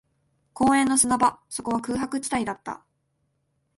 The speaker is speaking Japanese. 公園の砂場、そこは空白地帯だった